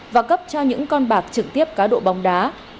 và cấp cho những con bạc trực tiếp cá độ bóng đá